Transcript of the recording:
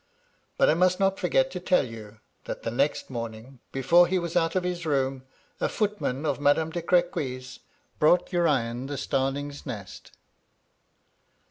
" But I must not forget to tell you, that the next morning, before he was out of his room, a footman of Madam de Cr^quy^s brought Urian the starling's nest.